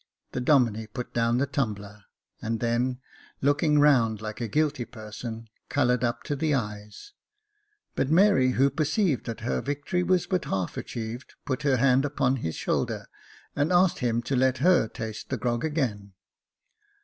The Domine put down the tumbler, and then, looking round, like a guilty person, coloured up to the eyes ; but Mary, who perceived that her victory was but half achieved, put her hand upon his shoulder, and asked him to let her taste the grog again.